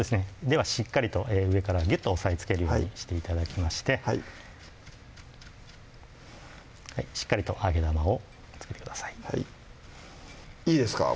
ではしっかりと上からギュッと押さえつけるようにして頂いてしっかりと揚げ玉を付けてくださいいいですか？